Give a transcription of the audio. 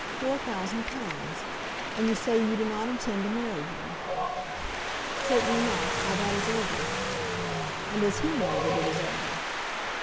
Four thousand pounds! And you say you do not intend to marry him." "Certainly not; all that is over." "And does he know that it is over?"